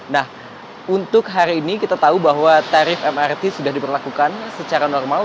nah untuk hari ini kita tahu bahwa tarif mrt sudah diberlakukan secara normal